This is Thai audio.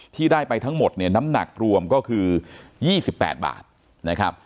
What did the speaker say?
ที่ได้ไปทั้งหมดเนี่ยน้ำหนักรวมก็คือ๒๘บาทนะครับ